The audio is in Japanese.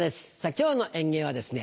今日の演芸はですね